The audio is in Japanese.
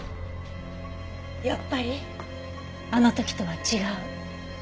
やっぱりあの時とは違う。